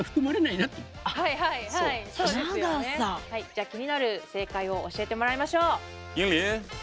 じゃあ気になる正解を教えてもらいましょう！